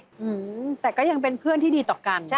อืมแต่ก็ยังเป็นเพื่อนที่ดีต่อกันใช่